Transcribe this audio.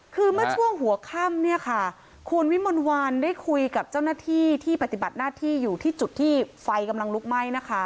คือเมื่อช่วงหัวค่ำเนี่ยค่ะคุณวิมลวันได้คุยกับเจ้าหน้าที่ที่ปฏิบัติหน้าที่อยู่ที่จุดที่ไฟกำลังลุกไหม้นะคะ